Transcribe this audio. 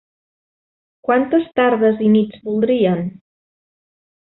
Quantes tardes i nits voldrien?